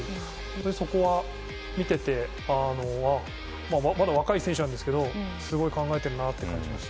そこは見ていてまだ若い選手なんですけどすごく考えていると感じました。